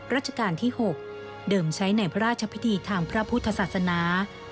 ราชการที่๖เดิมใช้ในพระราชพิธีทางพระพุทธศาสนา